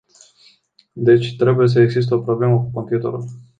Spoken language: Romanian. Deci trebuie să existe o problemă cu computerul.